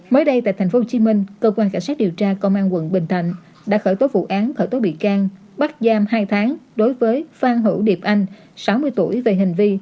mới đây tại tp hcm cơ quan cảnh sát điều tra công an quận bình thạnh đã khởi tố vụ án khởi tố bị can bắt giam hai tháng đối với phan hữu điệp anh sáu mươi tuổi về hành vi